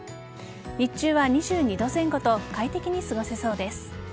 日中は２２度前後と快適に過ごせそうです。